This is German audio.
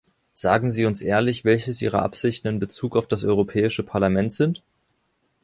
Sagen Sie uns ehrlich, welches Ihre Absichten in bezug auf das Europäische Parlament sind?